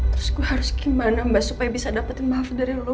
terus gue harus gimana mbak supaya bisa dapetin maaf dari lo